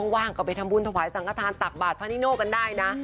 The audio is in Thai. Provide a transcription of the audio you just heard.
ว่างก็ไปทำบุญถวายสังฆฐานตักบาทพระนิโน่กันได้นะ